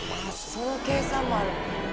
あそういう計算もある。